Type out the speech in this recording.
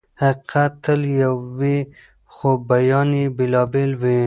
حقيقت تل يو وي خو بيان يې بېلابېل وي.